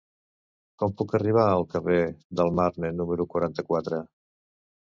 Com puc arribar al carrer del Marne número quaranta-quatre?